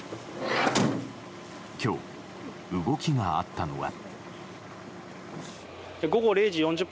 今日、動きがあったのは。